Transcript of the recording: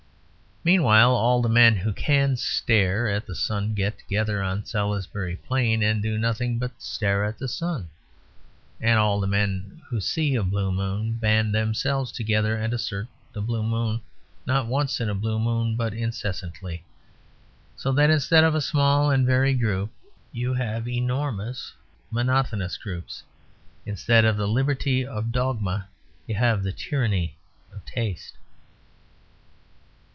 Meanwhile all the men who can stare at the sun get together on Salisbury Plain and do nothing but stare at the sun; and all the men who see a blue moon band themselves together and assert the blue moon, not once in a blue moon, but incessantly. So that instead of a small and varied group, you have enormous monotonous groups. Instead of the liberty of dogma, you have the tyranny of taste.